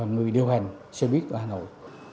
người điều hành xe buýt ở hà nội